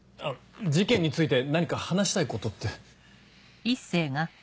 事件について何か話したいことって？